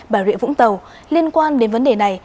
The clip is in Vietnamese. bà rịa vũng tàu liên quan đến vấn đề này